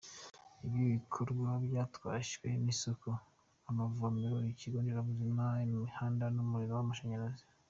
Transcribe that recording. Ibi bikorwa byatashywe ni isoko, amavomero, ikigo nderabuzima, imihanda n’umuriro w’amashanyarazi.